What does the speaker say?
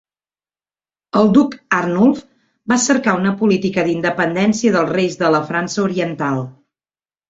El duc Arnulf va cercar una política d'independència dels reis de la França oriental.